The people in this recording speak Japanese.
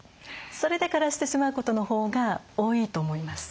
それで枯らしてしまうことの方が多いと思います。